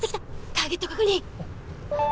ターゲット確認。